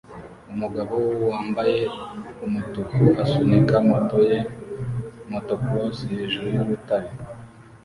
Umugabo wambaye umutuku asunika moto ye motocross hejuru y'urutare